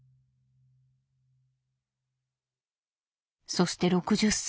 そして６０歳。